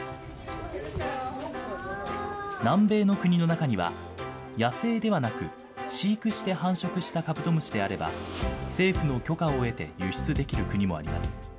南米の国の中には、野生ではなく飼育して繁殖したカブトムシであれば、政府の許可を得て輸出できる国もあります。